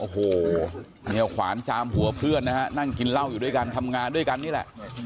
เฮ้ยแขวงจามหัวเพื่อนนะคะนั่งกินร่องอยู่ด้วยกันทำงานด้วยกันนี่แหละ